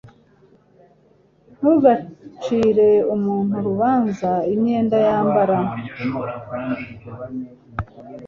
Ntugacire umuntu urubanza imyenda yambara. (drnm)